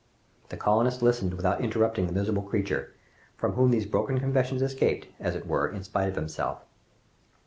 The colonists listened without interrupting the miserable creature, from whom these broken confessions escaped, as it were, in spite of himself.